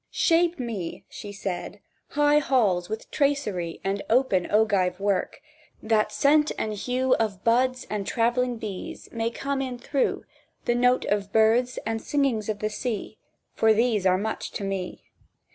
"Shape me," she said, "high halls with tracery And open ogive work, that scent and hue Of buds, and travelling bees, may come in through, The note of birds, and singings of the sea, For these are much to me."